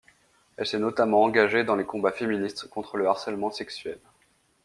Elle s'est notamment engagée dans les combats féministes contre le harcèlement sexuel.